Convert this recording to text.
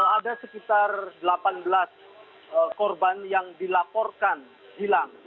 ada sekitar delapan belas korban yang dilaporkan hilang